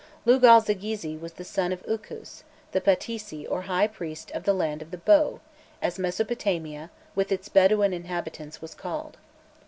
Lugal zaggisi was the son of Ukus, the patesi or high priest of the "Land of the Bow," as Mesopotamia, with its Bedawin inhabitants, was called.